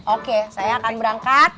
oke saya akan berangkat